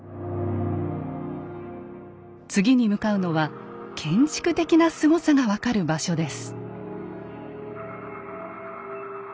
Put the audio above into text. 次に向かうのは建築的なすごさが分かる場所です。